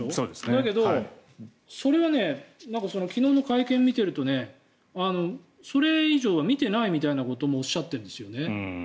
だけど、それは昨日の会見を見ているとそれ以上は見てないみたいなこともおっしゃっているんですよね。